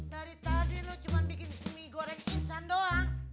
dari tadi lo cuma bikin mie goreng insan doang